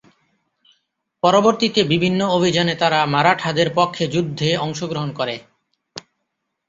পরবর্তীতে বিভিন্ন অভিযানে তারা মারাঠাদের পক্ষে যুদ্ধে অংশগ্রহণ করে।